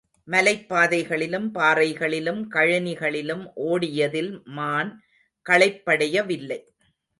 மலைப்பாதைகளிலும், பாறைகளிலும், கழனிகளிலும் ஓடியதில் மான் களைப்படையவில்லை.